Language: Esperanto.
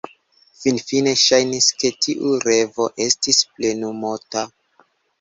Finfine ŝajnis ke tiu revo estis plenumota.